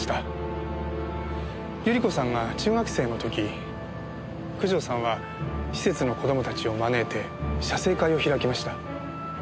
百合子さんが中学生の時九条さんは施設の子供たちを招いて写生会を開きました。